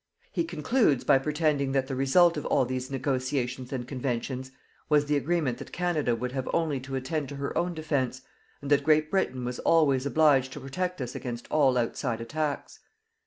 He concludes by pretending that the result of all these negotiations and conventions was the agreement that Canada would have only to attend to her own defence, and that Great Britain was always obliged to protect us against all outside attacks.